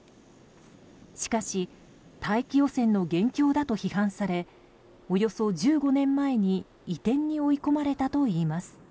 しかし、大気汚染の元凶だと批判されおよそ１５年前に移転に追い込まれたといいます。